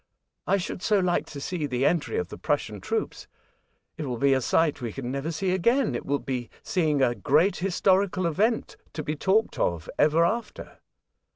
"I should so like to see the entry of the Prussian troops. It will be a sight we can never see again. It will be seeing a great historical event, to be talked of ever after."